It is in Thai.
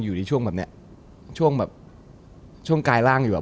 อยู่ในช่วงแบบเนี้ยช่วงแบบช่วงกายร่างอยู่อ่ะ